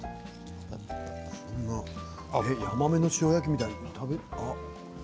ヤマメの塩焼きみたいに。